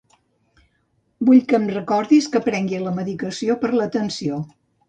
Vull que em recordis que prengui la medicació per la tensió.